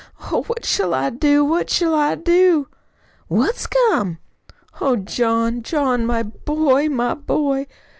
Oh, what shall I do? What shall I do?" "What's come?" "Oh, John, John, my boy, my boy!"